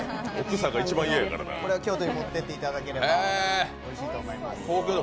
これは京都に持っていっていただければいいと思います。